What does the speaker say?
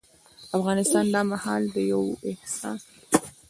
افغانستان دا مهال له يو حساس